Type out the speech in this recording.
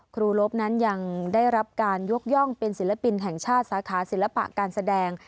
ลบนั้นยังได้รับการยกย่องเป็นศิลปินแห่งชาติสาขาศิลปะการแสดง